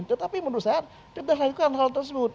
tetapi menurut saya kita lakukan hal tersebut